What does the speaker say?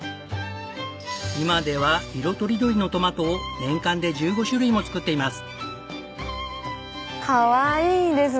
今では色とりどりのトマトを年間で１５種類も作っています。